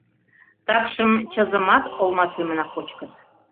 Такшым чызымат олма семынак кочкыт.